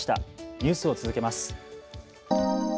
ニュースを続けます。